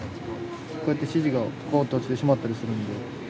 こうやって指示がボーッと落ちてしまったりするんで。